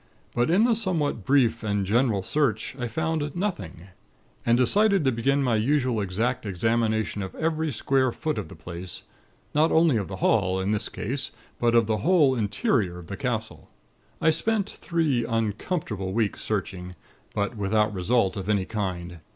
But in the somewhat brief and general search, I found nothing; and decided to begin my usual exact examination of every square foot of the place not only of the hall, in this case, but of the whole interior of the castle. "I spent three uncomfortable weeks, searching; but without result of any kind.